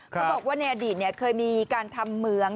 เขาบอกว่าในอดีตเคยมีการทำเหมือง